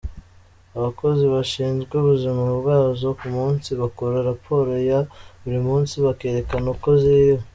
Abakozi bashinzwe ubuzima bwazo ku munsi, bakora raporo ya buri munsi bakerekana uko ziriwe.